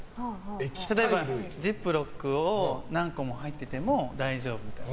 例えば、ジップロックが何個も入ってても大丈夫みたいな。